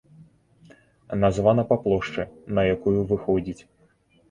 Названа па плошчы, на якую выходзіць.